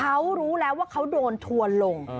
เขารู้แล้วว่าเขาโดนทัวร์ลง